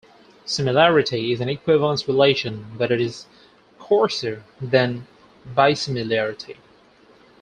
Similarity is an equivalence relation, but it is coarser than bisimilarity.